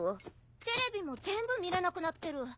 テレビも全部見れなくなってる。